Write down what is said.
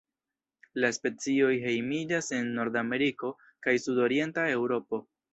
La specioj hejmiĝas en Nordameriko kaj sudorienta Eŭropo.